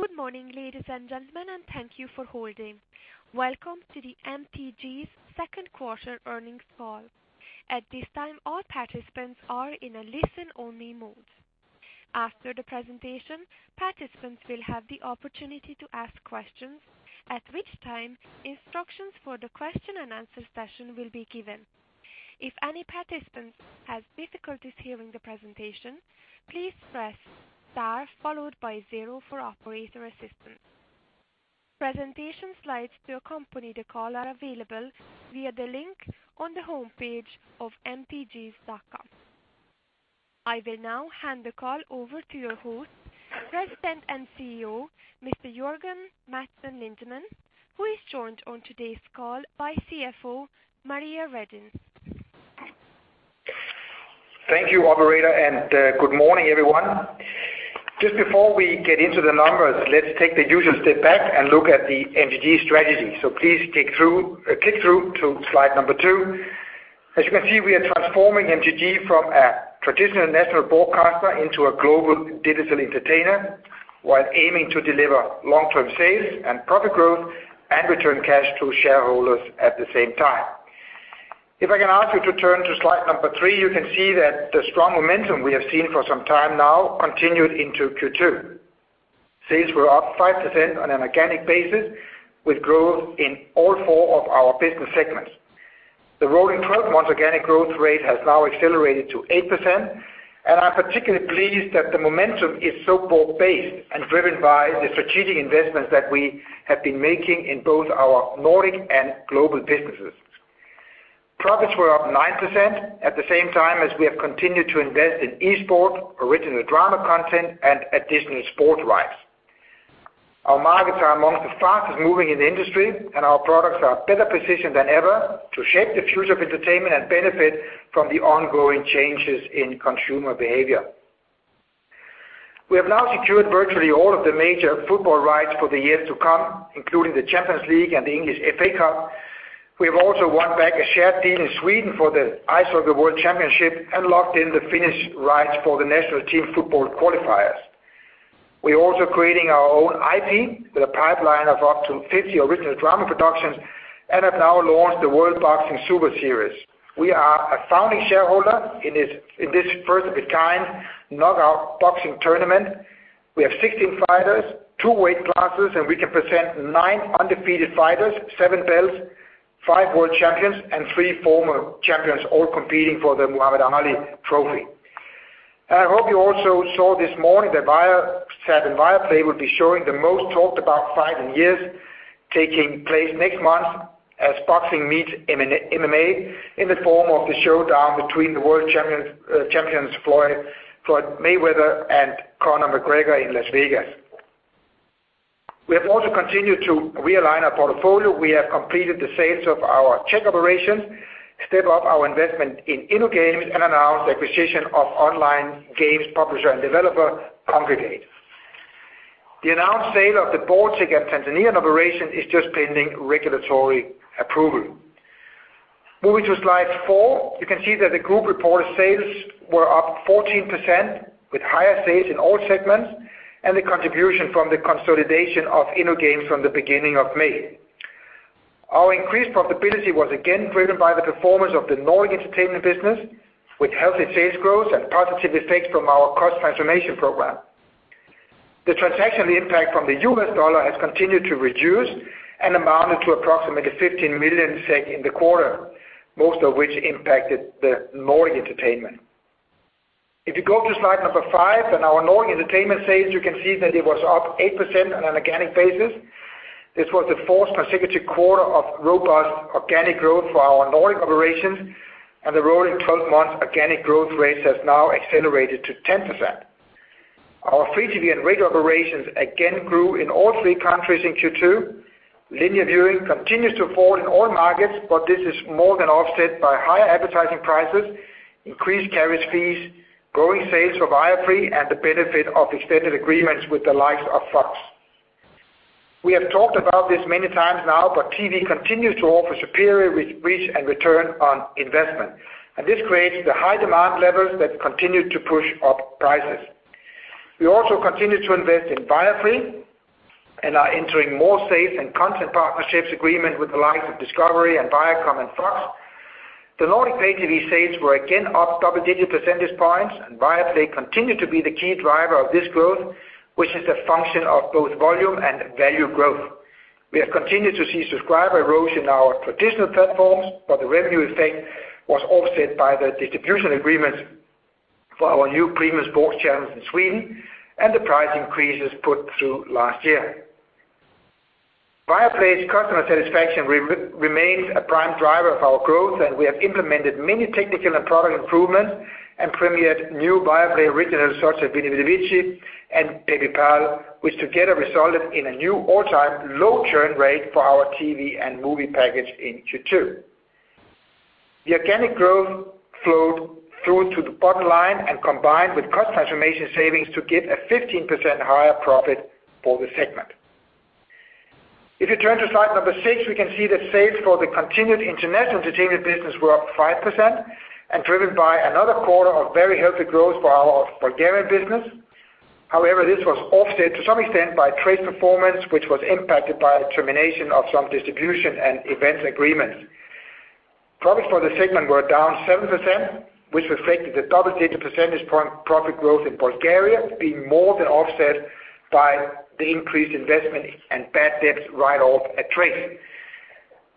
Good morning, ladies and gentlemen, and thank you for holding. Welcome to the MTG's second quarter earnings call. At this time, all participants are in a listen-only mode. After the presentation, participants will have the opportunity to ask questions, at which time instructions for the question and answer session will be given. If any participant has difficulties hearing the presentation, please press star followed by zero for operator assistance. Presentation slides to accompany the call are available via the link on the homepage of mtg.com. I will now hand the call over to your host, President and CEO, Mr. Jørgen Madsen Lindemann, who is joined on today's call by CFO Maria Redin. Thank you, operator, and good morning, everyone. Just before we get into the numbers, let's take the usual step back and look at the MTG strategy. Please click through to slide number two. As you can see, we are transforming MTG from a traditional national broadcaster into a global digital entertainer while aiming to deliver long-term sales and profit growth and return cash to shareholders at the same time. If I can ask you to turn to slide number three, you can see that the strong momentum we have seen for some time now continued into Q2. Sales were up 5% on an organic basis with growth in all four of our business segments. The rolling 12 months organic growth rate has now accelerated to 8%. I'm particularly pleased that the momentum is so broad-based and driven by the strategic investments that we have been making in both our Nordic and global businesses. Profits were up 9% at the same time as we have continued to invest in esport, original drama content, and additional sports rights. Our markets are amongst the fastest-moving in the industry, and our products are better positioned than ever to shape the future of entertainment and benefit from the ongoing changes in consumer behavior. We have now secured virtually all of the major football rights for the years to come, including the Champions League and the English FA Cup. We have also won back a shared deal in Sweden for the Ice Hockey World Championship and locked in the Finnish rights for the National Team football qualifiers. We are also creating our own IP with a pipeline of up to 50 original drama productions and have now launched the World Boxing Super Series. We are a founding shareholder in this first-of-its-kind knockout boxing tournament. We have 16 fighters, two weight classes, and we can present nine undefeated fighters, seven belts, five world champions, and three former champions, all competing for the Muhammad Ali trophy. I hope you also saw this morning that Viasat and Viaplay will be showing the most-talked-about fight in years, taking place next month as boxing meets MMA in the form of the showdown between the world champions Floyd Mayweather and Conor McGregor in Las Vegas. We have also continued to realign our portfolio. We have completed the sales of our Czech operations, stepped up our investment in InnoGames, and announced the acquisition of online games publisher and developer Kongregate. The announced sale of the Baltic and Tanzanian operation is just pending regulatory approval. Moving to slide four, you can see that the group reported sales were up 14%, with higher sales in all segments and the contribution from the consolidation of InnoGames from the beginning of May. Our increased profitability was again driven by the performance of the Nordic entertainment business, with healthy sales growth and positive effects from our cost transformation program. The transactional impact from the US dollar has continued to reduce and amounted to approximately 15 million SEK in the quarter, most of which impacted the Nordic entertainment. If you go to slide number five on our Nordic entertainment sales, you can see that it was up 8% on an organic basis. This was the fourth consecutive quarter of robust organic growth for our Nordic operations, and the rolling 12 months organic growth rate has now accelerated to 10%. Our free TV and radio operations again grew in all three countries in Q2. Linear viewing continues to fall in all markets, but this is more than offset by higher advertising prices, increased carriage fees, growing sales for Viaplay, and the benefit of extended agreements with the likes of Fox. We have talked about this many times now, but TV continues to offer superior reach and return on investment, and this creates the high demand levels that continue to push up prices. We also continue to invest in Viaplay and are entering more sales and content partnerships agreement with the likes of Discovery and Viacom and Fox. The Nordic pay TV sales were again up double-digit percentage points, and Viaplay continued to be the key driver of this growth, which is a function of both volume and value growth. We have continued to see subscriber erosion in our traditional platforms, but the revenue effect was offset by the distribution agreements for our new premium sports channels in Sweden and the price increases put through last year. Viaplay's customer satisfaction remains a prime driver of our growth, and we have implemented many technical and product improvements and premiered new Viaplay originals such as "Veni Vidi Vici" and "Baby Blake," which together resulted in a new all-time low churn rate for our TV and movie package in Q2. The organic growth flowed through to the bottom line and combined with cost transformation savings to give a 15% higher profit for the segment. If you turn to slide number six, we can see that sales for the continued international entertainment business were up 5% and driven by another quarter of very healthy growth for our Bulgarian business. However, this was offset to some extent by trade performance, which was impacted by a termination of some distribution and event agreements. Profits for the segment were down 7%, which reflected the double-digit percentage point profit growth in Bulgaria being more than offset by the increased investment and bad debts write-off at Trace.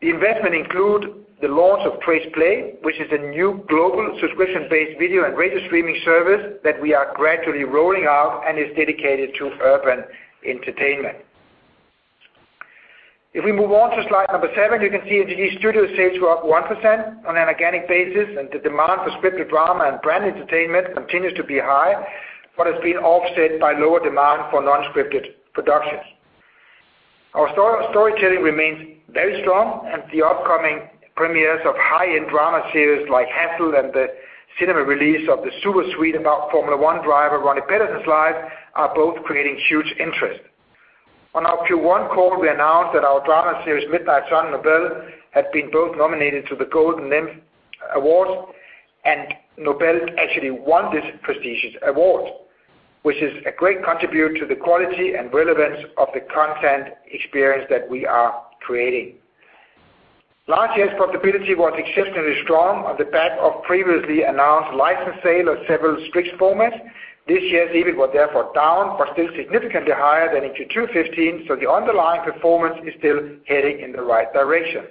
The investment include the launch of Trace Play, which is a new global subscription-based video and radio streaming service that we are gradually rolling out and is dedicated to urban entertainment. Moving to slide seven, MTG Studios sales were up 1% on an organic basis. The demand for scripted drama and brand entertainment continues to be high, but it's been offset by lower demand for non-scripted productions. Our storytelling remains very strong. The upcoming premieres of high-end drama series like "Hassel" and the cinema release of the Superswede about Formula One driver Ronnie Peterson's life are both creating huge interest. On our Q1 call, we announced that our drama series, "Midnight Sun" and "Nobel" had been both nominated to the Golden Nymph Award. "Nobel" actually won this prestigious award, which is a great contributor to the quality and relevance of the content experience that we are creating. Last year's profitability was exceptionally strong on the back of previously announced license sale of several scripted formats. This year's EBIT was therefore down, but still significantly higher than in Q2 2015. The underlying performance is still heading in the right direction.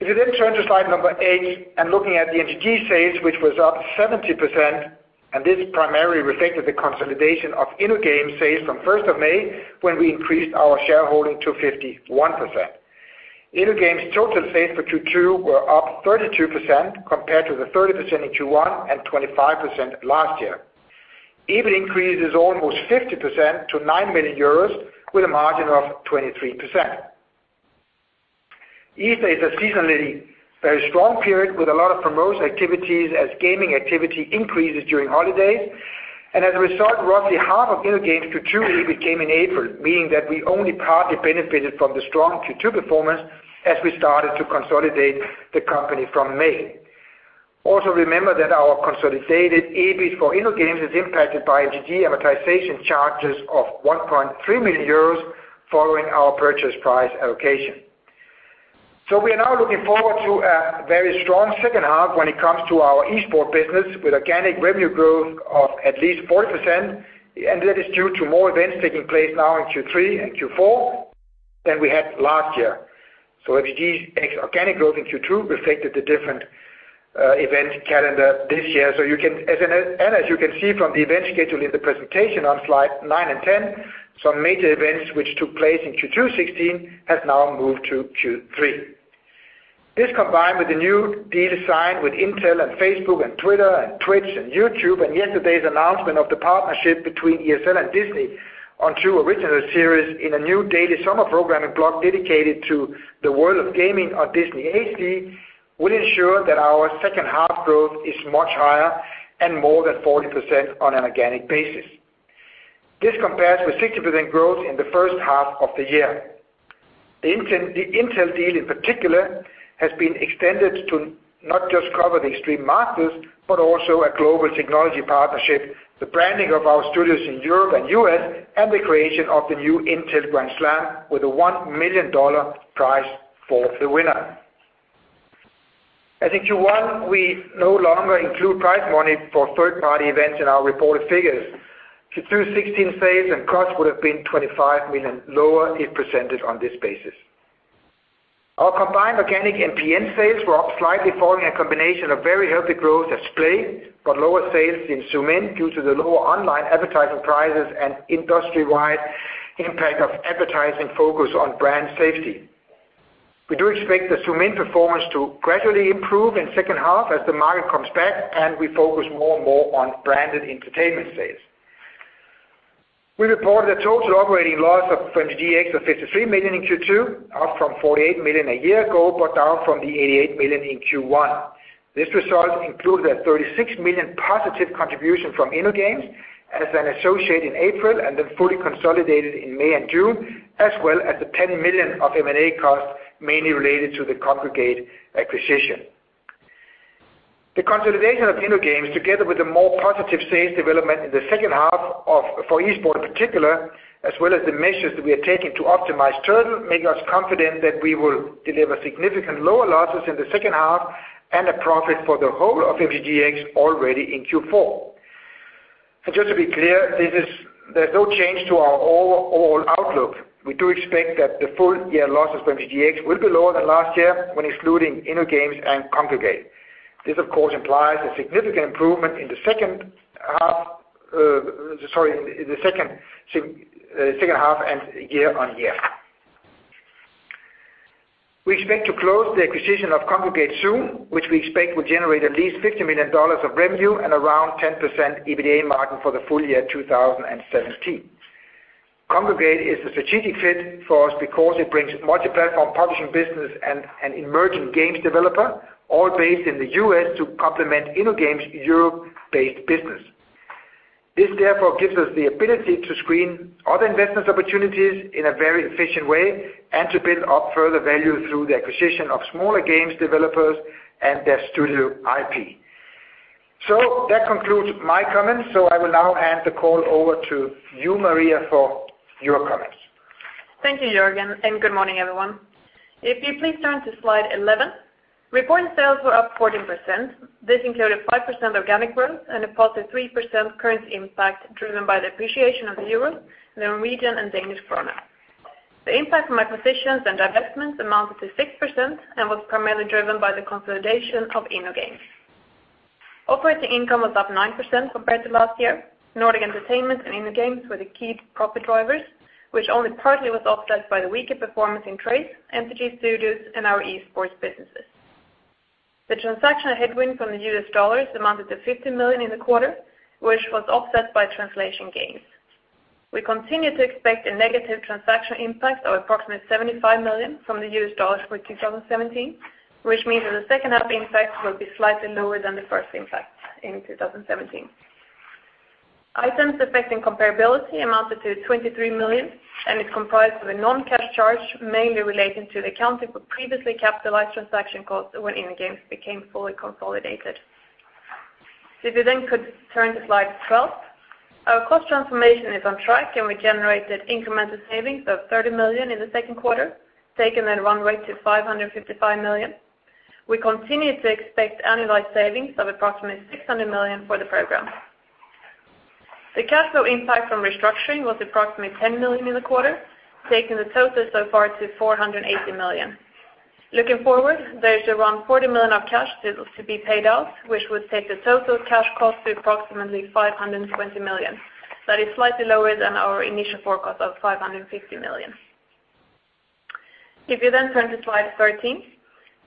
Turning to slide eight and looking at the MTG sales, which was up 70%. This primarily reflected the consolidation of InnoGames sales from May 1, when we increased our shareholding to 51%. InnoGames' total sales for Q2 were up 32% compared to 30% in Q1 and 25% last year. EBIT increases almost 50% to 9 million euros, with a margin of 23%. E3 is a seasonally very strong period with a lot of promotion activities as gaming activity increases during holidays. As a result, roughly half of InnoGames' Q2 EBIT came in April, meaning that we only partly benefited from the strong Q2 performance as we started to consolidate the company from May. Also remember that our consolidated EBIT for InnoGames is impacted by MTG amortization charges of 1.3 million euros following our purchase price allocation. We are now looking forward to a very strong second half when it comes to our esports business with organic revenue growth of at least 40%. That is due to more events taking place now in Q3 and Q4 than we had last year. MTG's organic growth in Q2 reflected the different event calendar this year. As you can see from the event schedule in the presentation on slide nine and 10, some major events which took place in Q2 2016 have now moved to Q3. This combined with the new deals signed with Intel and Facebook and Twitter and Twitch and YouTube, and yesterday's announcement of the partnership between ESL and Disney on two original series in a new daily summer programming block dedicated to the world of gaming on Disney XD, will ensure that our second half growth is much higher and more than 40% on an organic basis. This compares with 60% growth in the first half of the year. The Intel deal in particular has been extended to not just cover the Extreme Masters, but also a global technology partnership, the branding of our studios in Europe and U.S., and the creation of the new Intel Grand Slam with a $1 million prize for the winner. As in Q1, we no longer include prize money for third-party events in our reported figures. Q2 2016 sales and costs would've been 25 million lower if presented on this basis. Our combined organic MPN sales were up slightly following a combination of very healthy growth at Play, but lower sales in Zoomin.TV due to the lower online advertising prices and industry-wide impact of advertising focus on brand safety. We do expect the Zoomin.TV performance to gradually improve in second half as the market comes back and we focus more and more on branded entertainment sales. We reported a total operating loss for MTGx of 53 million in Q2, up from 48 million a year ago, but down from the 88 million in Q1. This result includes a 36 million positive contribution from InnoGames as an associate in April and then fully consolidated in May and June, as well as the 10 million of M&A costs mainly related to the Kongregate acquisition. The consolidation of InnoGames, together with a more positive sales development in the second half for esports in particular, as well as the measures that we are taking to optimize Turtle, make us confident that we will deliver significant lower losses in the second half and a profit for the whole of MTGx already in Q4. Just to be clear, there's no change to our overall outlook. We do expect that the full-year losses for MTGx will be lower than last year when excluding InnoGames and Kongregate. This, of course, implies a significant improvement in the second half and year-on-year. We expect to close the acquisition of Kongregate soon, which we expect will generate at least SEK 50 million of revenue and around 10% EBITDA margin for the full year 2017. Kongregate is a strategic fit for us because it brings multi-platform publishing business and an emerging games developer, all based in the U.S. to complement InnoGames' Europe-based business. This therefore gives us the ability to screen other investment opportunities in a very efficient way and to build up further value through the acquisition of smaller games developers and their studio IP. That concludes my comments. I will now hand the call over to you, Maria, for your comments. Thank you, Jørgen, and good morning, everyone. If you please turn to slide 11. Reported sales were up 14%. This included 5% organic growth and a positive 3% currency impact driven by the appreciation of the euro, the Norwegian and Danish kroner. The impact from acquisitions and divestments amounted to 6% and was primarily driven by the consolidation of InnoGames. Operating income was up 9% compared to last year. Nordic Entertainment and InnoGames were the key profit drivers, which only partly was offset by the weaker performance in Trace, MTG Studios, and our esports businesses. The transactional headwind from the US dollar amounted to $50 million in the quarter, which was offset by translation gains. We continue to expect a negative transactional impact of approximately $75 million from the US dollar for 2017, which means that the second half impact will be slightly lower than the first impact in 2017. Items affecting comparability amounted to 23 million, and it comprised of a non-cash charge mainly relating to the accounting for previously capitalized transaction costs when InnoGames became fully consolidated. Turn to slide 12. Our cost transformation is on track, and we generated incremental savings of 30 million in the second quarter, taking the run rate to 555 million. We continue to expect annualized savings of approximately 600 million for the program. The cash flow impact from restructuring was approximately 10 million in the quarter, taking the total so far to 480 million. Looking forward, there is around 40 million of cash to be paid out, which would take the total cash cost to approximately 520 million. That is slightly lower than our initial forecast of 550 million. Turn to slide 13.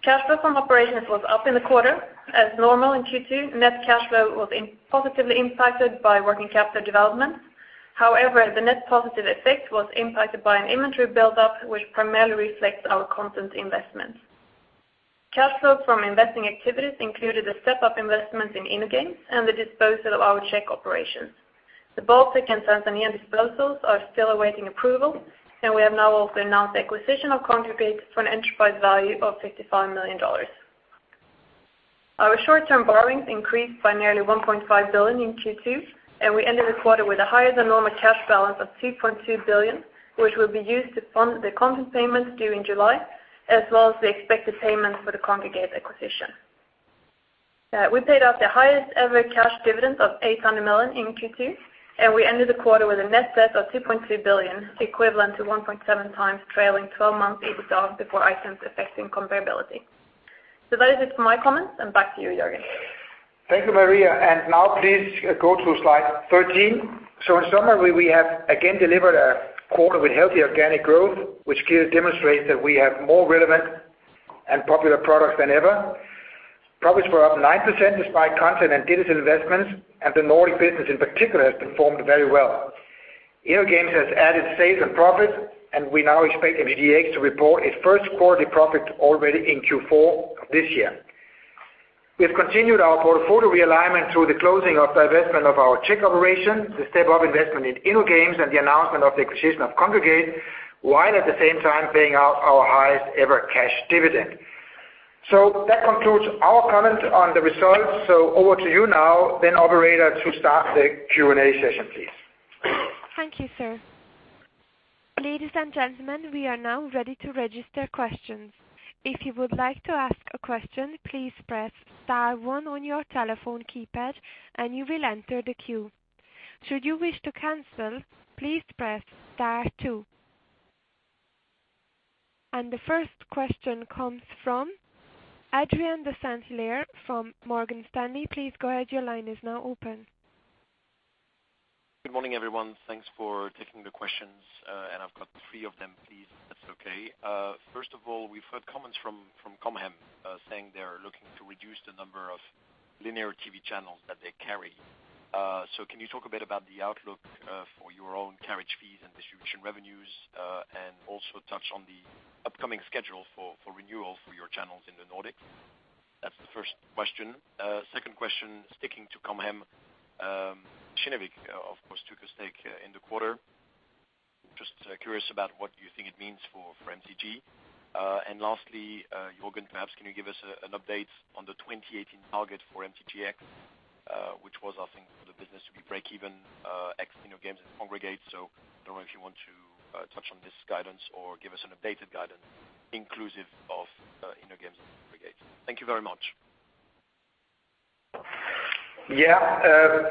Cash flow from operations was up in the quarter. As normal in Q2, net cash flow was positively impacted by working capital development. However, the net positive effect was impacted by an inventory buildup, which primarily reflects our content investments. Cash flow from investing activities included the step-up investments in InnoGames and the disposal of our Czech operations. The Baltic and Tanzania disposals are still awaiting approval, and we have now also announced the acquisition of Kongregate for an enterprise value of SEK 55 million. Our short-term borrowings increased by nearly 1.5 billion in Q2, and we ended the quarter with a higher-than-normal cash balance of 2.2 billion, which will be used to fund the content payments due in July, as well as the expected payments for the Kongregate acquisition. We paid out the highest-ever cash dividend of 800 million in Q2, and we ended the quarter with a net debt of 2.2 billion, equivalent to 1.7 times trailing 12-month EBITDA before items affecting comparability. That is it for my comments, and back to you, Jørgen. Thank you, Maria Redin. Now please go to slide 13. In summary, we have again delivered a quarter with healthy organic growth, which clearly demonstrates that we have more relevant and popular products than ever. Profits were up 9% despite content and digital investments, and the Nordic business in particular has performed very well. InnoGames has added sales and profit, and we now expect MTGx to report its first quarterly profit already in Q4 of this year. We have continued our portfolio realignment through the closing of the divestment of our Czech operation, the step-up investment in InnoGames, and the announcement of the acquisition of Kongregate, while at the same time paying out our highest-ever cash dividend. That concludes our comments on the results. Over to you now then, operator, to start the Q&A session, please. Thank you, sir. Ladies and gentlemen, we are now ready to register questions. If you would like to ask a question, please press star 1 on your telephone keypad, and you will enter the queue. Should you wish to cancel, please press star 2. The first question comes from Adrien de Saint Hilaire from Morgan Stanley. Please go ahead. Your line is now open. Good morning, everyone. Thanks for taking the questions, and I've got 3 of them, please, if that's okay. First of all, we've heard comments from Com Hem saying they're looking to reduce the number of linear TV channels that they carry. Can you talk a bit about the outlook for your own carriage fees and distribution revenues, and also touch on the upcoming schedule for renewal for your channels in the Nordics? That's the first question. Second question, sticking to Com Hem. Kinnevik, of course, took a stake in the quarter. Just curious about what you think it means for MTG. Lastly, Jørgen, perhaps can you give us an update on the 2018 target for MTGx, which was, I think, for the business to be breakeven ex InnoGames and Kongregate. I don't know if you want to touch on this guidance or give us an updated guidance inclusive of InnoGames and Kongregate. Thank you very much. Yeah.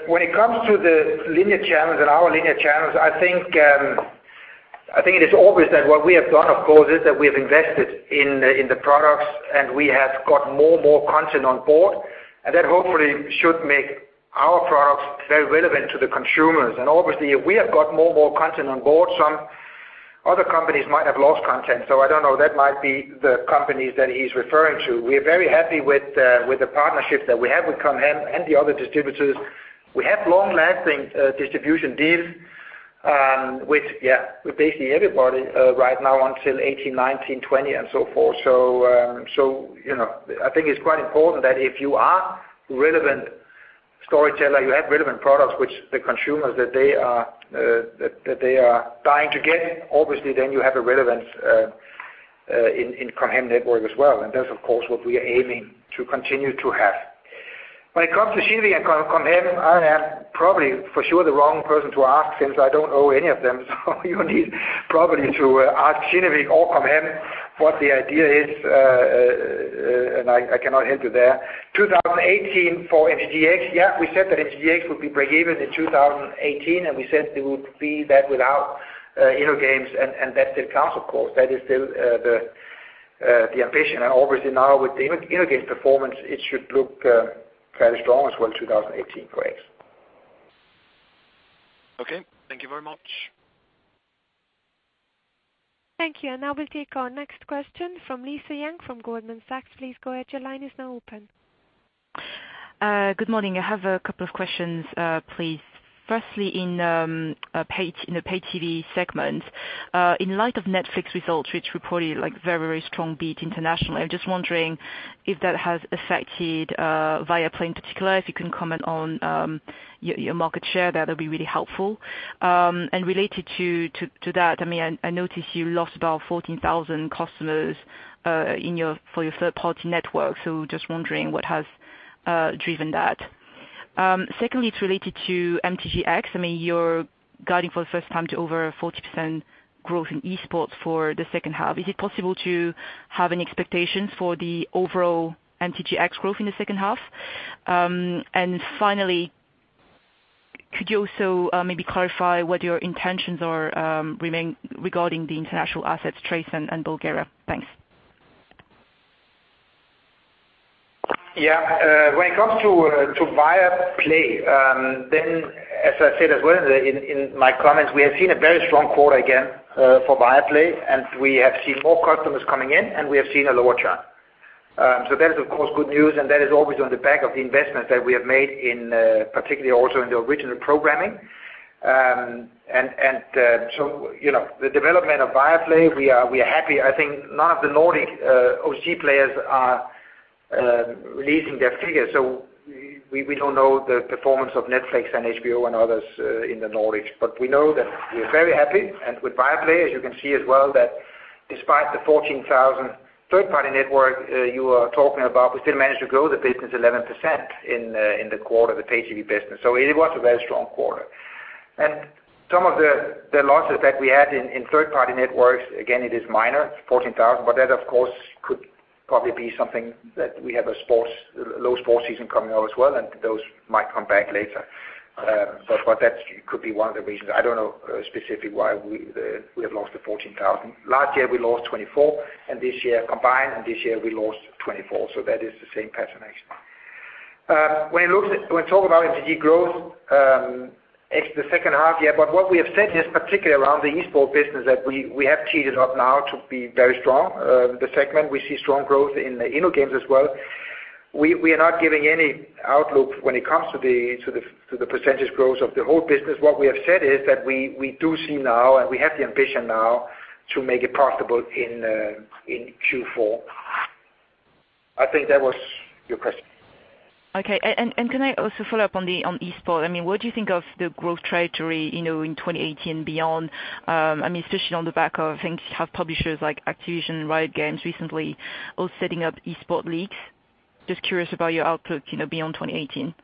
When it comes to the linear channels and our linear channels, I think it is obvious that what we have done, of course, is that we have invested in the products, and we have got more content on board, and that hopefully should make our products very relevant to the consumers. Obviously, if we have got more content on board, some other companies might have lost content. I don't know. That might be the companies that he's referring to. We are very happy with the partnership that we have with Com Hem and the other distributors. We have long-lasting distribution deals with basically everybody right now until 2018, 2019, 2020, and so forth. I think it's quite important that if you are relevant storyteller, you have relevant products, which the consumers, that they are dying to get, obviously, then you have a relevance in Com Hem network as well. That's of course, what we are aiming to continue to have. When it comes to Kinnevik and Com Hem, I am probably for sure the wrong person to ask since I don't own any of them, you need probably to ask Kinnevik or Com Hem what the idea is, I cannot help you there. 2018 for MTGx, yeah, we said that MTGx would be breakeven in 2018, we said it would be that without InnoGames that's still the case, of course. That is still the ambition. Obviously now with InnoGames performance, it should look fairly strong as well in 2018 for X. Okay. Thank you very much. Thank you. Now we'll take our next question from Lisa Yang from Goldman Sachs. Please go ahead. Your line is now open. Good morning. I have a couple of questions, please. Firstly, in the pay-TV segment, in light of Netflix results, which reported very strong beat internationally. I'm just wondering if that has affected Viaplay in particular. If you can comment on your market share there, that'd be really helpful. Related to that, I noticed you lost about 14,000 customers for your third-party network. Just wondering what has driven that. Secondly, it's related to MTGx. You're guiding for the first time to over 40% growth in esports for the second half. Is it possible to have any expectations for the overall MTGx growth in the second half? Finally, could you also maybe clarify what your intentions are regarding the international assets Trace and Bulgaria? Thanks. Yeah. When it comes to Viaplay, as I said as well in my comments, we have seen a very strong quarter again for Viaplay, and we have seen more customers coming in, and we have seen a lower churn. That is, of course, good news, and that is always on the back of the investments that we have made particularly also in the original programming. The development of Viaplay, we are happy. I think none of the Nordic OTT players are releasing their figures, so we don't know the performance of Netflix and HBO and others in the Nordics. We know that we are very happy. With Viaplay, as you can see as well that despite the 14,000 third-party network you are talking about, we still managed to grow the business 11% in the quarter, the pay TV business. It was a very strong quarter. Some of the losses that we had in third-party networks, again, it is minor, 14,000, but that of course could probably be something that we have a low sports season coming out as well, and those might come back later. That could be one of the reasons. I don't know specifically why we have lost the 14,000. Last year, we lost 24, and this year combined, this year we lost 24, that is the same pattern actually. When we talk about MTG growth, the second half, yeah. What we have said is particularly around the esports business, that we have teed it up now to be very strong. The segment, we see strong growth in InnoGames as well. We are not giving any outlook when it comes to the percentage growth of the whole business. What we have said is that we do see now, we have the ambition now to make it profitable in Q4. I think that was your question. Okay. Can I also follow up on esports? What do you think of the growth trajectory in 2018 beyond, especially on the back of, I think you have publishers like Activision, Riot Games recently, all setting up esports leagues. Just curious about your outlook beyond 2018.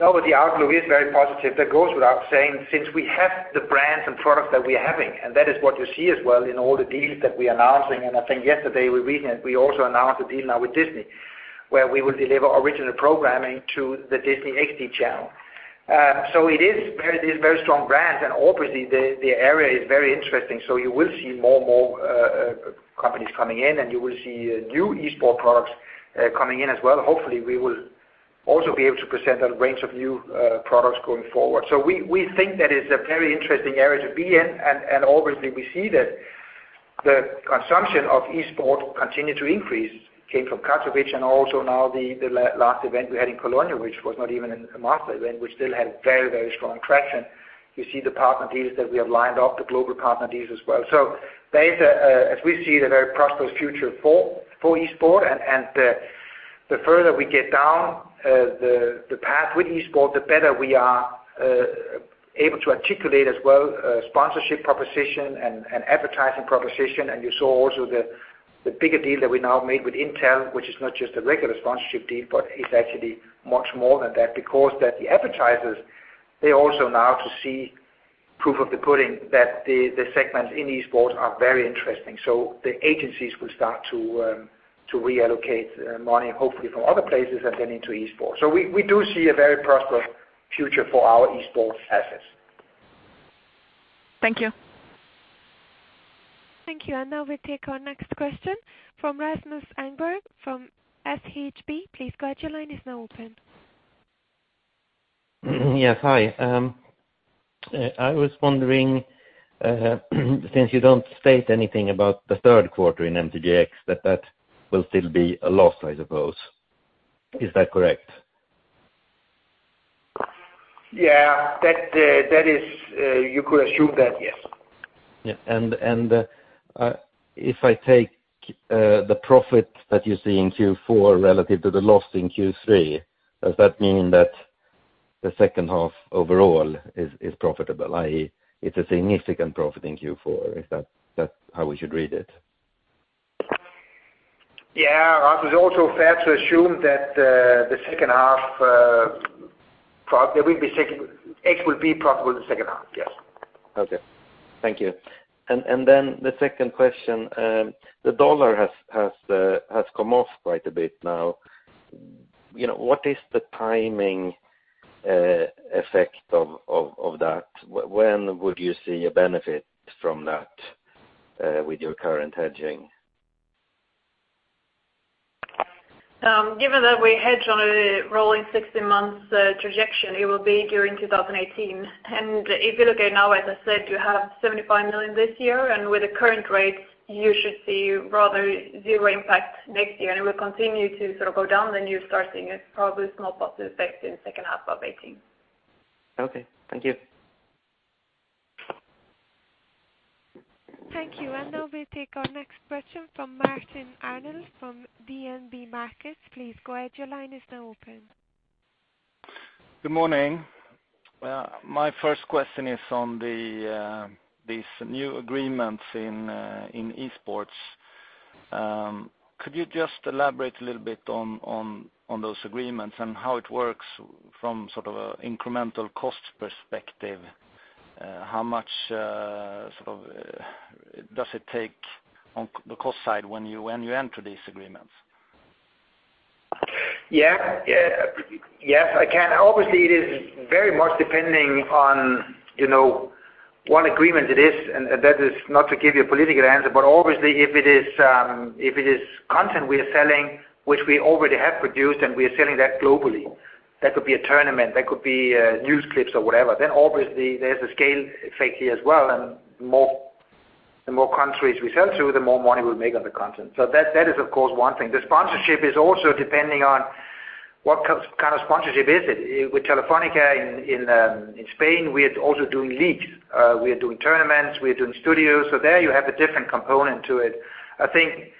No, the outlook is very positive. That goes without saying, since we have the brands and products that we are having, and that is what you see as well in all the deals that we are announcing. I think yesterday, we recently also announced a deal now with Disney, where we will deliver original programming to the Disney XD channel. It is very strong brands, obviously, the area is very interesting. You will see more companies coming in, and you will see new esports products coming in as well. Hopefully, we will also be able to present a range of new products going forward. We think that is a very interesting area to be in, and obviously, we see that the consumption of esports continue to increase, came from Katowice and also now the last event we had in Cologne, which was not even one month ago, and we still had very strong traction. You see the partner deals that we have lined up, the global partner deals as well. That is, as we see it, a very prosperous future for esports, and the further we get down the path with esports, the better we are able to articulate as well a sponsorship proposition and advertising proposition. You saw also the bigger deal that we now made with Intel, which is not just a regular sponsorship deal, but is actually much more than that because the advertisers, they also now to see proof of the pudding that the segments in esports are very interesting. The agencies will start to reallocate money, hopefully from other places and then into esports. We do see a very prosperous future for our esports assets. Thank you. Thank you. Now we'll take our next question from Rasmus Engberg from Handelsbanken. Please go ahead. Your line is now open. Yes. Hi. I was wondering, since you don't state anything about the third quarter in MTGx, that will still be a loss, I suppose. Is that correct? Yeah. You could assume that, yes. Yeah. If I take the profit that you see in Q4 relative to the loss in Q3, does that mean that the second half overall is profitable, i.e., it's a significant profit in Q4? Is that how we should read it? Yes. It is also fair to assume that it will be profitable in the second half, yes. Okay, thank you. The U.S. dollar has come off quite a bit now. What is the timing effect of that? When would you see a benefit from that with your current hedging? Given that we hedge on a rolling 16 months trajectory, it will be during 2018. If you look at now, as I said, you have $75 million this year, with the current rates, you should see rather zero impact next year, and it will continue to sort of go down, then you start seeing a probably small positive effect in the second half of 2018. Okay, thank you. Thank you. Now we take our next question from Martin Arnell from DNB Markets. Please go ahead. Your line is now open. Good morning. My first question is on these new agreements in esports. Could you just elaborate a little bit on those agreements and how it works from sort of an incremental cost perspective? How much does it take on the cost side when you enter these agreements? Yes, I can. Obviously, it is very much depending on what agreement it is, that is not to give you a political answer, but obviously if it is content we are selling, which we already have produced and we are selling that globally. That could be a tournament, that could be news clips or whatever. Obviously there's a scale effect here as well, the more countries we sell to, the more money we'll make on the content. That is, of course, one thing. The sponsorship is also depending on what kind of sponsorship is it. With Telefónica in Spain, we are also doing leagues. We are doing tournaments, we are doing studios. There you have a different component to it. I think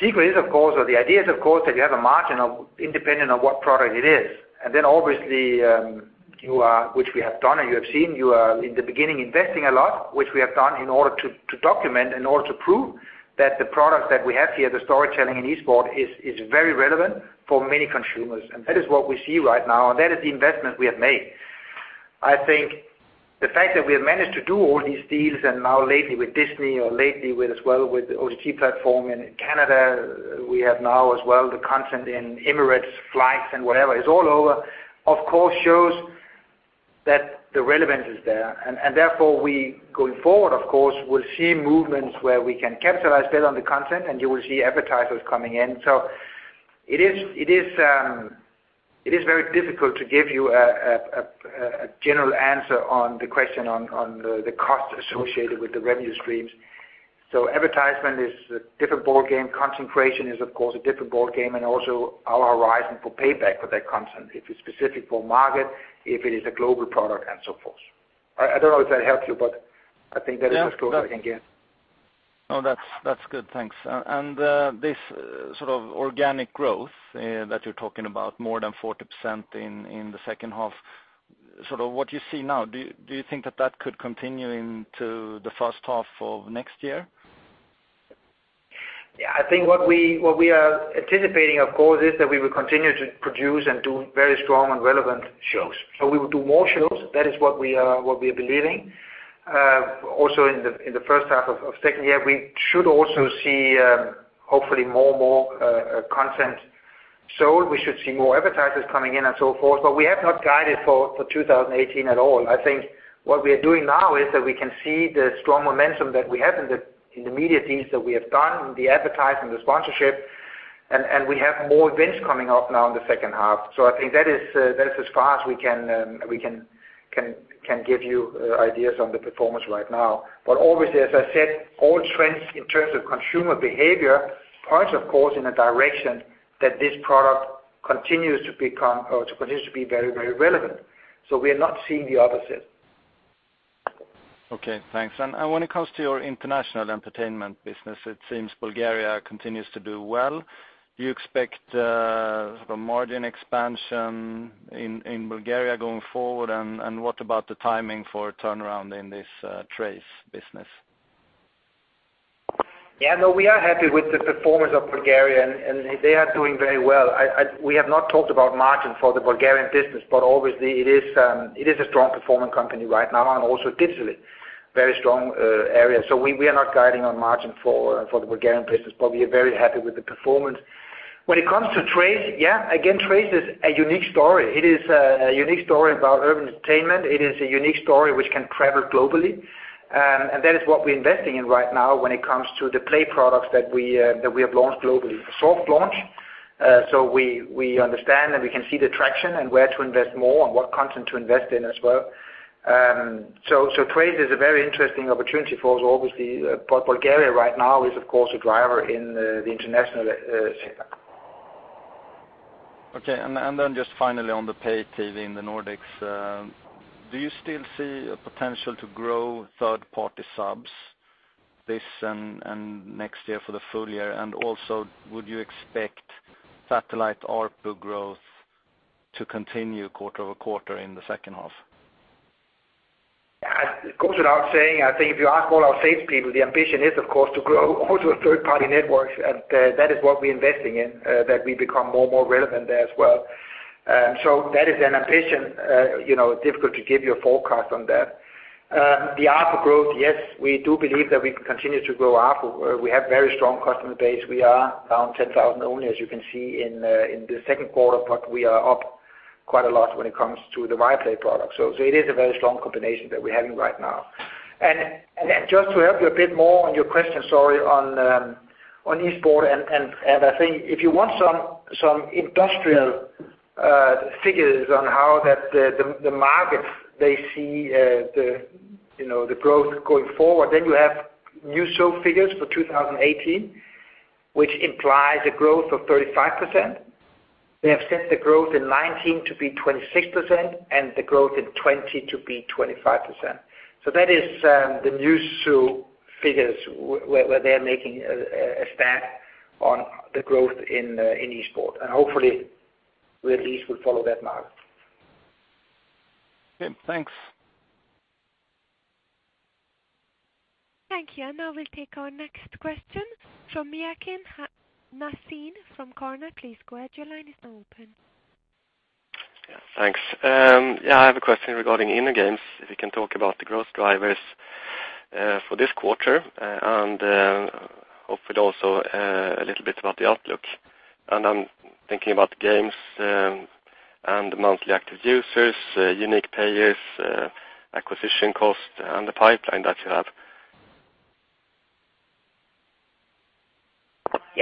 the secret is, of course, or the idea is, of course, that you have a margin independent of what product it is. Then obviously, which we have done and you have seen, you are in the beginning investing a lot, which we have done in order to document, in order to prove that the product that we have here, the storytelling in esports, is very relevant for many consumers. That is what we see right now, that is the investment we have made. I think the fact that we have managed to do all these deals and now lately with Disney or lately with as well with the OTT platform in Canada, we have now as well the content in Emirates flights and wherever is all over, of course shows that the relevance is there. Therefore we, going forward of course, will see movements where we can capitalize better on the content and you will see advertisers coming in. It is very difficult to give you a general answer on the question on the cost associated with the revenue streams. Advertisement is a different ballgame. Concentration is of course a different ballgame and also our horizon for payback for that content, if it's specific for market, if it is a global product and so forth. I don't know if that helps you, but I think that is as close as I can get. No, that's good, thanks. This sort of organic growth that you're talking about, more than 40% in the second half, sort of what you see now, do you think that that could continue into the first half of next year? I think what we are anticipating, of course, is that we will continue to produce and do very strong and relevant shows. We will do more shows. That is what we are believing. Also in the first half of second year, we should also see hopefully more content sold. We should see more advertisers coming in and so forth, we have not guided for 2018 at all. I think what we are doing now is that we can see the strong momentum that we have in the media deals that we have done, the advertising, the sponsorship, and we have more events coming up now in the second half. I think that is as far as we can give you ideas on the performance right now. Obviously, as I said, all trends in terms of consumer behavior point, of course, in a direction that this product continues to be very relevant. We are not seeing the opposite. Okay, thanks. When it comes to your international entertainment business, it seems Bulgaria continues to do well. Do you expect a margin expansion in Bulgaria going forward? What about the timing for a turnaround in this Trace business? We are happy with the performance of Bulgaria, and they are doing very well. We have not talked about margin for the Bulgarian business, but obviously it is a strong performing company right now and also digitally very strong area. We are not guiding on margin for the Bulgarian business, but we are very happy with the performance. When it comes to Trace is a unique story. It is a unique story about urban entertainment. It is a unique story which can travel globally. That is what we're investing in right now when it comes to the play products that we have launched globally, soft launch. We understand and we can see the traction and where to invest more and what content to invest in as well. Trace is a very interesting opportunity for us, obviously. Bulgaria right now is, of course, a driver in the international setup. Okay. Just finally on the pay TV in the Nordics, do you still see a potential to grow third-party subs this and next year for the full year? Would you expect satellite ARPU growth to continue quarter-over-quarter in the second half? It goes without saying, I think if you ask all our sales people, the ambition is, of course, to grow also a third-party network. That is what we're investing in, that we become more relevant there as well. That is an ambition, difficult to give you a forecast on that. The ARPU growth, yes, we do believe that we can continue to grow ARPU. We have a very strong customer base. We are around 10,000 only, as you can see in the second quarter, but we are up quite a lot when it comes to the Viaplay product. It is a very strong combination that we're having right now. Just to help you a bit more on your question, sorry, on esports. I think if you want some industrial figures on how the markets they see the growth going forward, you have Newzoo figures for 2018, which implies a growth of 35%. They have set the growth in 2019 to be 26% and the growth in 2020 to be 25%. That is the Newzoo figures, where they're making a stand on the growth in esport. Hopefully, we at least will follow that model. Okay, thanks. Thank you. Now we'll take our next question from Mikael Nissen from Carnegie. Please go ahead. Your line is now open. Thanks. I have a question regarding InnoGames, if you can talk about the growth drivers for this quarter, and hopefully also a little bit about the outlook. I'm thinking about games and monthly active users, unique payers, acquisition cost, and the pipeline that you have.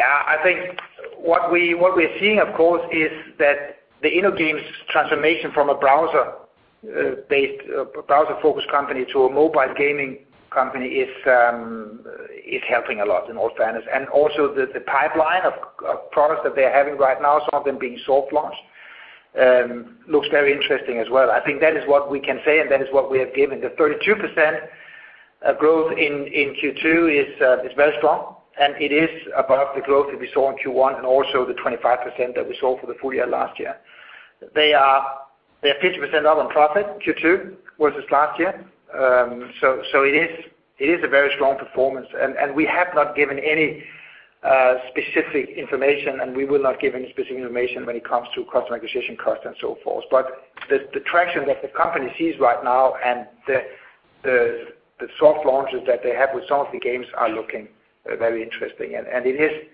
I think what we're seeing, of course, is that the InnoGames' transformation from a browser-based, browser-focused company to a mobile gaming company is helping a lot in all fairness. Also the pipeline of products that they're having right now, some of them being soft launched, looks very interesting as well. I think that is what we can say, and that is what we have given. The 32% growth in Q2 is very strong, and it is above the growth that we saw in Q1 and also the 25% that we saw for the full year last year. They are 50% up on profit Q2 versus last year. It is a very strong performance, we have not given any specific information, and we will not give any specific information when it comes to customer acquisition cost and so forth. The traction that the company sees right now and the soft launches that they have with some of the games are looking very interesting. It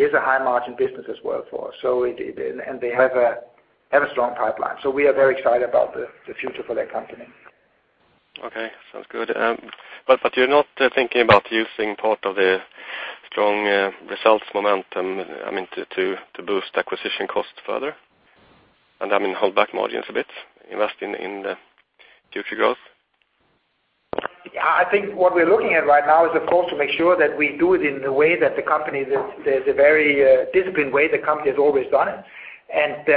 is a high-margin business as well for us. They have a strong pipeline. We are very excited about the future for that company. Okay, sounds good. You're not thinking about using part of the strong results momentum to boost acquisition costs further? Hold back margins a bit, invest in the future growth? Yeah, I think what we're looking at right now is, of course, to make sure that we do it in the way that the company, the very disciplined way the company has always done it. They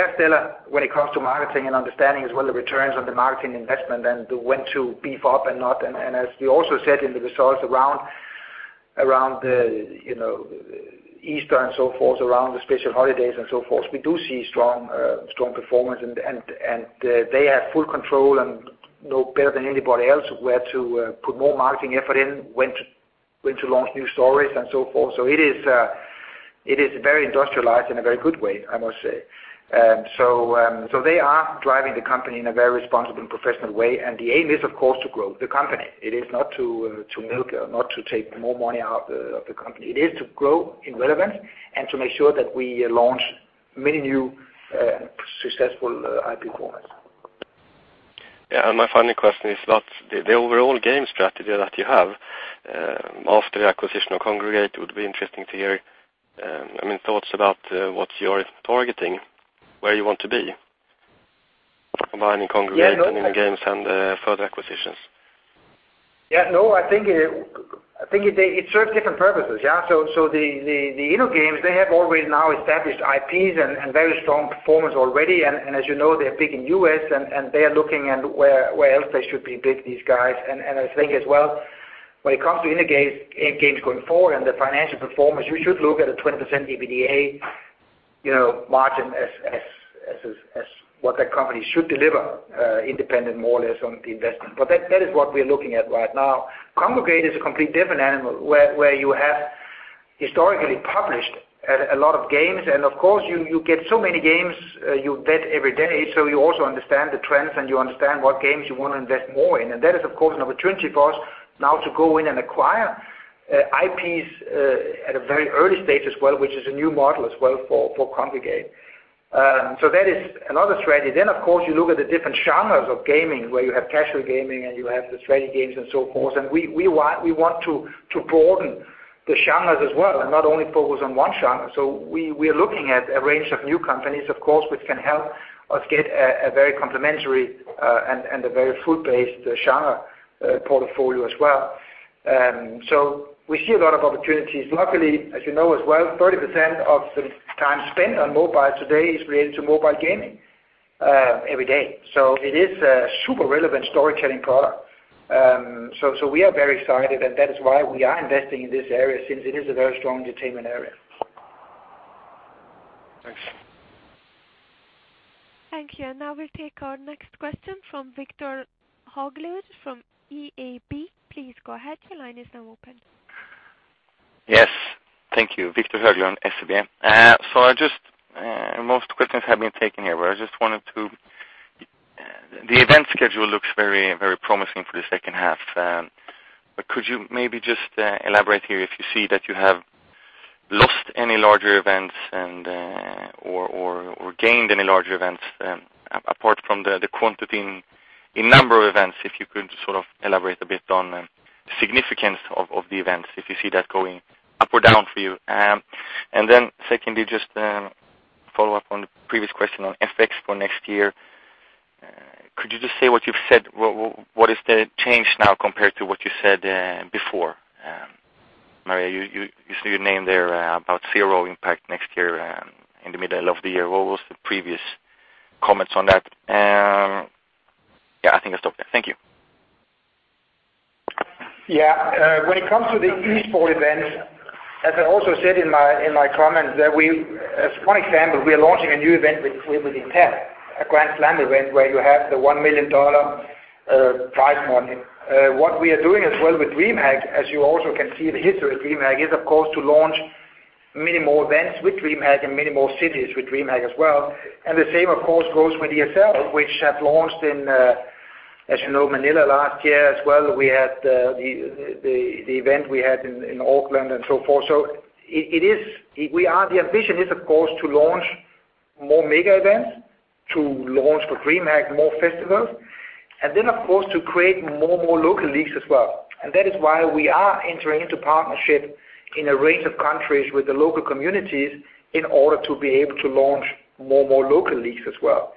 are still, when it comes to marketing and understanding as well the returns on the marketing investment and when to beef up and not, as we also said in the results around Easter and so forth, around the special holidays and so forth, we do see strong performance, and they have full control and know better than anybody else where to put more marketing effort in, when to launch new stories and so forth. It is very industrialized in a very good way, I must say. They are driving the company in a very responsible and professional way, the aim is, of course, to grow the company. It is not to milk, not to take more money out of the company. It is to grow in relevance and to make sure that we launch many new successful IP formats. Yeah. My final question is about the overall game strategy that you have after the acquisition of Kongregate. It would be interesting to hear thoughts about what you're targeting, where you want to be combining Kongregate- Yeah, no- InnoGames and further acquisitions. Yeah, no, I think it serves different purposes. The InnoGames, they have already now established IPs and very strong performance already, as you know, they're big in U.S., they are looking at where else they should be big, these guys. I think as well, when it comes to InnoGames going forward and the financial performance, you should look at a 20% EBITDA margin as what that company should deliver independent more or less on the investment. That is what we're looking at right now. Kongregate is a complete different animal, where you have historically published a lot of games, of course you get so many games you vet every day, so you also understand the trends and you understand what games you want to invest more in. That is, of course, an opportunity for us now to go in and acquire IPs at a very early stage as well, which is a new model as well for Kongregate. That is another strategy. Of course, you look at the different genres of gaming, where you have casual gaming and you have the strategy games and so forth, we want to broaden the genres as well, not only focus on one genre. We are looking at a range of new companies, of course, which can help us get a very complementary and a very full-based genre portfolio as well. We see a lot of opportunities. Luckily, as you know as well, 30% of the time spent on mobile today is related to mobile gaming every day. It is a super relevant storytelling power. We are very excited, that is why we are investing in this area since it is a very strong entertainment area. Thanks. Thank you. Now we'll take our next question from Viktor Höglund from SEB. Please go ahead, your line is now open. Yes. Thank you. Viktor Höglund, SEB. Most questions have been taken here, the event schedule looks very promising for the second half. Could you maybe just elaborate here if you see that you have lost any larger events or gained any larger events apart from the quantity in number of events? If you could elaborate a bit on the significance of the events, if you see that going up or down for you. Secondly, just to follow up on the previous question on FX for next year, could you just say what you've said, what is the change now compared to what you said before? Maria Redin, you see your name there about zero impact next year in the middle of the year. What was the previous comments on that? I think I'll stop there. Thank you. When it comes to the esports events, as I also said in my comments, as one example, we are launching a new event with Intel, a Grand Slam event where you have the $1 million prize money. What we are doing as well with DreamHack, as you also can see the history of DreamHack, is, of course, to launch many more events with DreamHack in many more cities with DreamHack as well. The same, of course, goes with ESL, which have launched in, as you know, Manila last year as well. We had the event we had in Oakland and so forth. The ambition is, of course, to launch more mega events, to launch for DreamHack more festivals, and then, of course, to create more local leagues as well. That is why we are entering into partnership in a range of countries with the local communities in order to be able to launch more local leagues as well.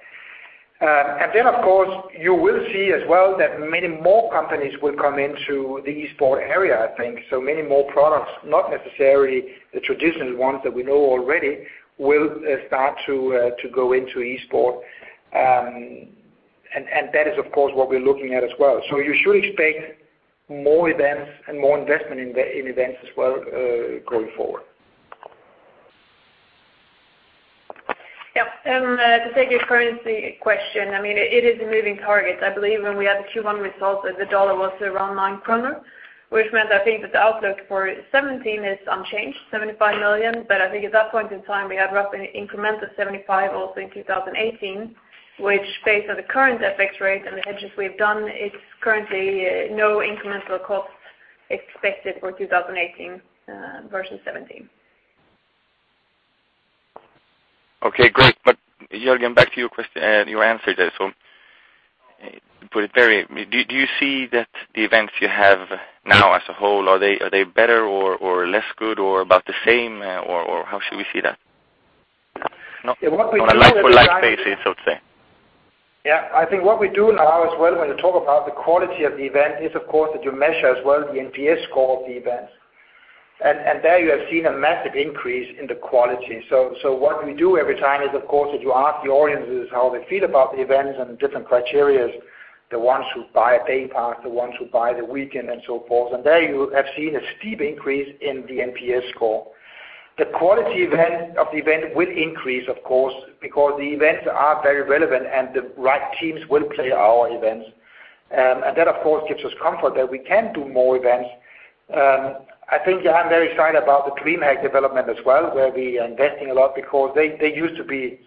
Then, of course, you will see as well that many more companies will come into the esports area, I think. Many more products, not necessarily the traditional ones that we know already will start to go into esports. That is, of course, what we're looking at as well. You should expect more events and more investment in events as well going forward. Yeah. To take your currency question, it is a moving target. I believe when we had the Q1 results that the dollar was around 9 kronor, which meant I think that the outlook for 2017 is unchanged, 75 million, but I think at that point in time we had roughly incremental 75 also in 2018, which based on the current FX rate and the hedges we have done, it is currently no incremental cost expected for 2018 versus 2017. Okay, great. Jørgen, back to your answer there. Do you see that the events you have now as a whole, are they better or less good or about the same, or how should we see that? What we do now- On a like for like basis, I would say. Yeah, I think what we do now as well when you talk about the quality of the event is, of course, that you measure as well the NPS score of the events. There you have seen a massive increase in the quality. What we do every time is, of course, that you ask the audiences how they feel about the events and different criteria, the ones who buy a day pass, the ones who buy the weekend, and so forth. There you have seen a steep increase in the NPS score. The quality of the event will increase, of course, because the events are very relevant and the right teams will play our events. That, of course, gives us comfort that we can do more events. I think I'm very excited about the DreamHack development as well, where we are investing a lot because they used to be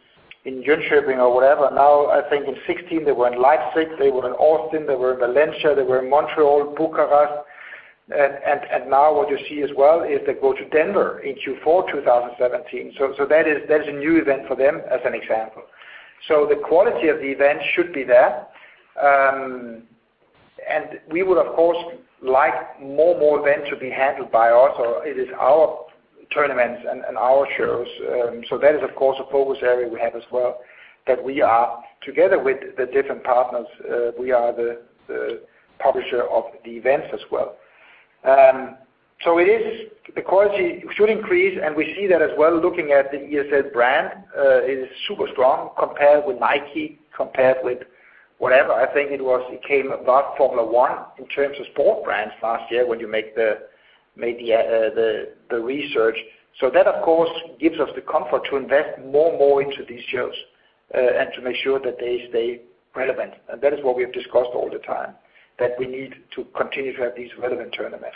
in Jönköping or whatever. Now I think in 2016, they were in Leipzig, they were in Austin, they were in Valencia, they were in Montreal, Bucharest. Now what you see as well is they go to Denver in Q4 2017. That is a new event for them, as an example. The quality of the event should be there. We would, of course, like more events to be handled by us or it is our tournaments and our shows. That is, of course, a focus area we have as well, that we are together with the different partners we are the publisher of the events as well. The quality should increase, and we see that as well looking at the ESL brand. It is super strong compared with Nike, compared with whatever. I think it came above Formula One in terms of sport brands last year when you made the research. That, of course, gives us the comfort to invest more into these shows and to make sure that they stay relevant. That is what we have discussed all the time, that we need to continue to have these relevant tournaments.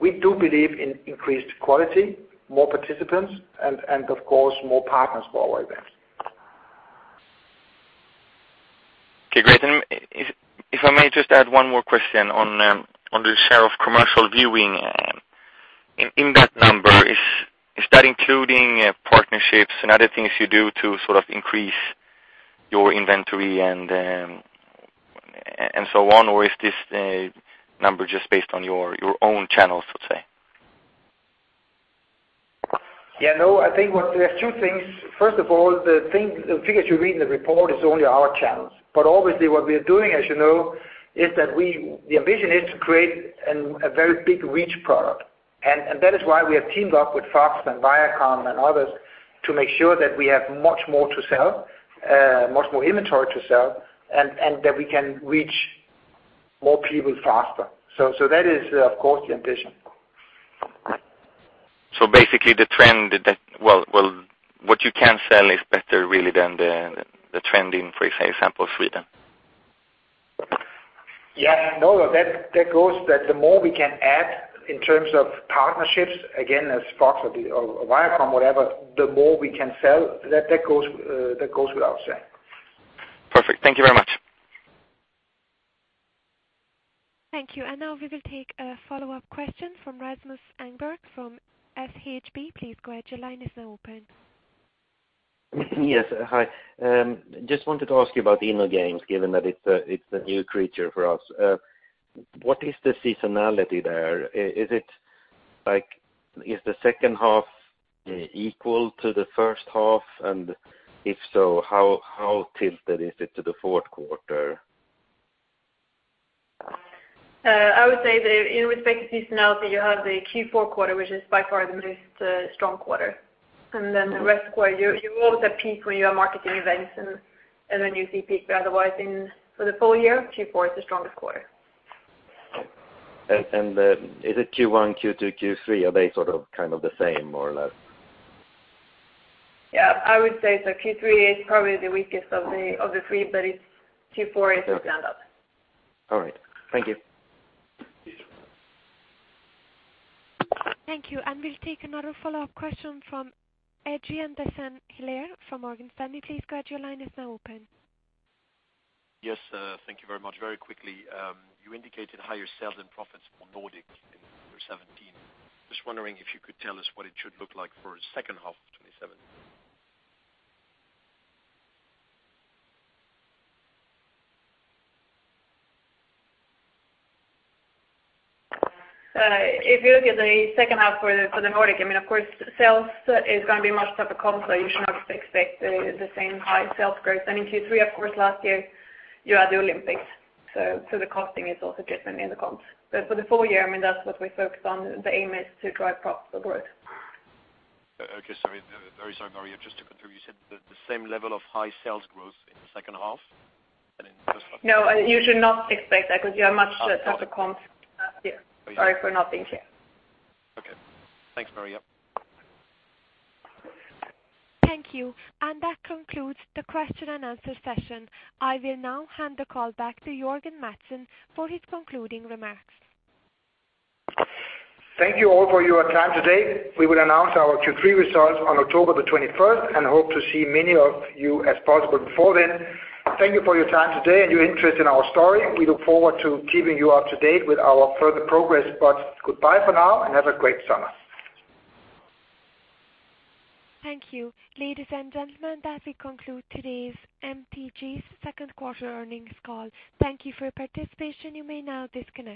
We do believe in increased quality, more participants, and of course, more partners for our events. Okay, great. If I may just add one more question on the share of commercial viewing. In that number and other things you do to increase your inventory and so on? Is this number just based on your own channels, let's say? Yeah. No, I think there are two things. First of all, the figures you read in the report is only our channels. Obviously what we are doing, as you know, is that the ambition is to create a very big reach product. That is why we have teamed up with Fox and Viacom and others to make sure that we have much more to sell, much more inventory to sell, and that we can reach more people faster. That is, of course, the ambition. Basically, what you can sell is better really than the trend in, for example, Sweden? Yes. No, that goes that the more we can add in terms of partnerships, again, as Fox or Viacom, whatever, the more we can sell. That goes without saying. Perfect. Thank you very much. Thank you. Now we will take a follow-up question from Rasmus Engberg from Handelsbanken. Please go ahead. Your line is now open. Yes, hi. Just wanted to ask you about InnoGames, given that it's a new creature for us. What is the seasonality there? Is the second half equal to the first half? If so, how tilted is it to the fourth quarter? I would say that in respect to seasonality, you have the Q4 quarter, which is by far the most strong quarter. Then the rest quarter, you always have peak when you are marketing events, then you see peak. Otherwise, for the full year, Q4 is the strongest quarter. Is it Q1, Q2, Q3? Are they kind of the same, more or less? Yeah. I would say so. Q3 is probably the weakest of the three, but Q4 is a stand out. All right. Thank you. Thank you. We'll take another follow-up question from Adrien de Saint Hilaire from Morgan Stanley. Please go ahead, your line is now open. Yes, thank you very much. Very quickly. You indicated higher sales and profits for Nordic in Q1 '17. Just wondering if you could tell us what it should look like for the second half of 2017. If you look at the second half for the Nordic, of course, sales is going to be much tougher comp. You should not expect the same high sales growth. In Q3, of course, last year, you had the Olympics. The costing is also different in the comps. For the full year, that's what we're focused on. The aim is to drive profitable growth. Okay. Sorry. Very sorry, Maria, just to confirm, you said the same level of high sales growth in the second half and in the first half? No, you should not expect that because you have much tougher comps last year. Sorry for not being clear. Okay. Thanks, Maria. Thank you. That concludes the question and answer session. I will now hand the call back to Jørgen Madsen for his concluding remarks. Thank you all for your time today. We will announce our Q3 results on October the 21st and hope to see as many of you as possible before then. Thank you for your time today and your interest in our story. We look forward to keeping you up to date with our further progress. Goodbye for now, have a great summer. Thank you. Ladies and gentlemen, that concludes today's MTG's second quarter earnings call. Thank you for your participation. You may now disconnect.